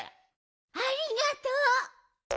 ありがとう。